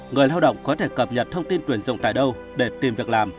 người lao động có thể cập nhật thông tin tuyển dụng tại đâu để tìm việc làm